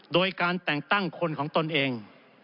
โดยการแต่งตั้งคนของตนเอง